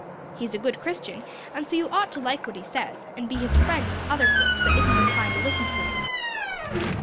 "He's a good Christian and so you'd ought to like what he says, and be his friend with other folks that isn't inclined to listen to him."